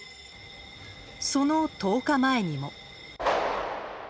その１０日前にも。